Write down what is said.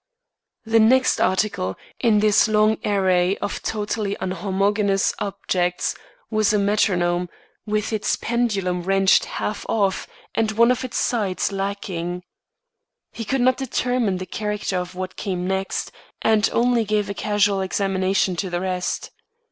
The next article, in this long array of totally unhomogeneous objects, was a metronome, with its pendulum wrenched half off and one of its sides lacking. He could not determine the character of what came next, and only gave a casual examination to the rest.